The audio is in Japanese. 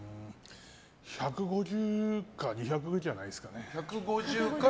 １５０か２００じゃないですかね。